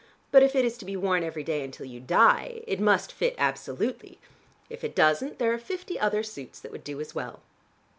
But if it is to be worn every day until you die, it must fit absolutely. If it doesn't, there are fifty other suits that would do as well."